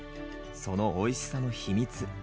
そのおいしさの秘密。